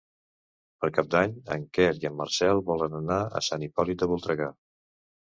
Per Cap d'Any en Quer i en Marcel volen anar a Sant Hipòlit de Voltregà.